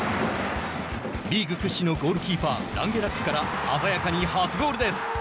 リーグ屈指のゴールキーパーランゲラックから鮮やかに初ゴールです。